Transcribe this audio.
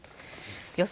予想